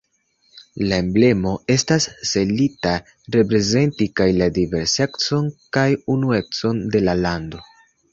La emblemo estas celita reprezenti kaj la diversecon kaj unuecon de la lando.